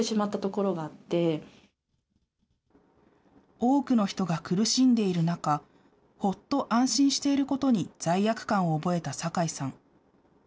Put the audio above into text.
多くの人が苦しんでいる中、ほっと安心していることに罪悪感を覚えた坂井さん。